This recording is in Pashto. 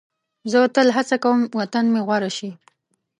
زه تل هڅه کوم وطن مې غوره شي.